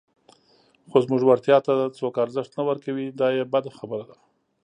خو زموږ وړتیا ته څوک ارزښت نه ورکوي، دا یې بده خبره ده.